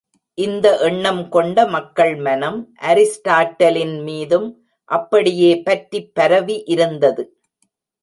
இந்த எண்ணம் கொண்ட மக்கள் மனம், அரிஸ்டாட்டிலின் மீதும் அப்படியே பற்றிப் பரவி இருந்தது!